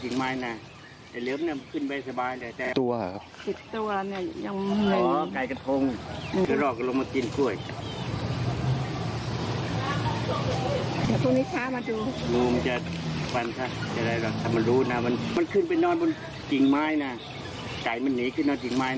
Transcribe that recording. อ๋อไก่กระโพงรอบลงมากินค่วย